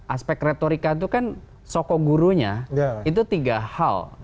aspek retorika itu kan soko gurunya itu tiga hal